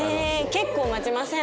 結構待ちません？